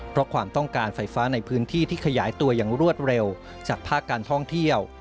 เพราะความต้องการไฟฟ้าในพื้นที่ที่ขยายตัวอย่างรวดเร็วจากภาคการท่องเที่ยว